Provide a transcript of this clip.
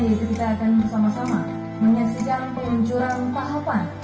yaitu kita akan bersama sama menyaksikan peluncuran tahapan